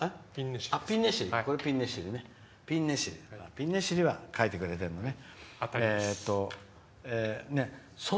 ピンネシリは描いてくれてるのね。